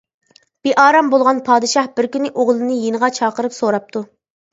بىئارام بولغان پادىشاھ بىر كۈنى ئوغلىنى يېنىغا چاقىرىپ سوراپتۇ.